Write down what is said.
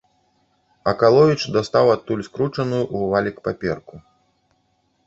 Акаловіч дастаў адтуль скручаную ў валік паперку.